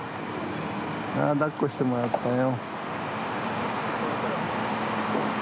あだっこしてもらったよ。